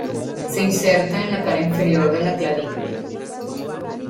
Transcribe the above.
Se inserta en la cara inferior de la clavícula.